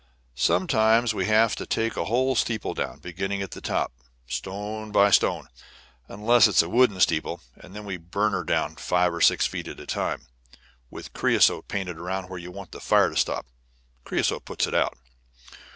Sometimes we have to take a whole steeple down, beginning at the top, stone by stone unless it's a wooden steeple, and then we burn her down five or six feet at a time, with creosote painted around where you want the fire to stop; the creosote puts it out.